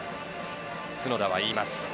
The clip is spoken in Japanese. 角田は言います。